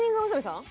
さん？